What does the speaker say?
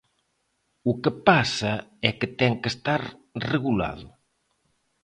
O que pasa é que ten que estar regulado.